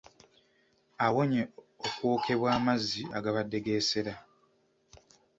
Awonye okwokebwa amazzi agabadde geesera.